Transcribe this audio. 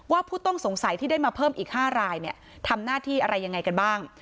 ผู้ต้องสงสัยที่ได้มาเพิ่มอีก๕รายเนี่ยทำหน้าที่อะไรยังไงกันบ้าง